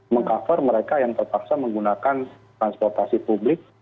meng cover mereka yang terpaksa menggunakan transportasi publik